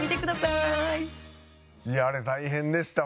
いやあれ大変でした